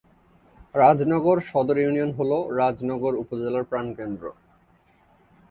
Rajnagar Sadar union হলো রাজনগর উপজেলার প্রাণকেন্দ্র।